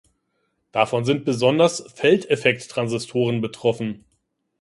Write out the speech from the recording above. Davon sind besonders Feldeffekttransistoren betroffen.